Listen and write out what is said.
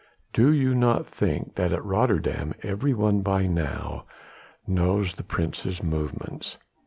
"Do you not think that at Rotterdam every one by now knows the Prince's movements?